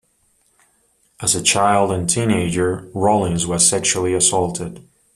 As a child and teenager, Rollins was sexually assaulted.